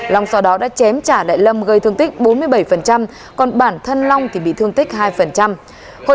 long sau đó đã chém trả đại lâm gây thương tích bốn mươi bảy còn bản thân long thì bị thương tích hai